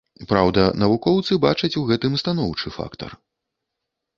Праўда, навукоўцы бачаць у гэтым станоўчы фактар.